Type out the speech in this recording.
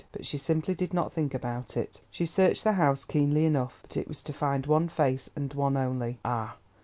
But she simply did not think about it. She searched the House keenly enough, but it was to find one face, and one only—Ah!